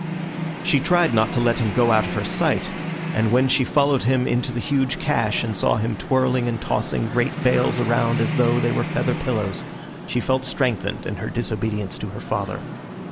She tried not to let him go out of her sight, and when she followed him into the huge cache and saw him twirling and tossing great bales around as though they were feather pillows, she felt strengthened in her disobedience to her father.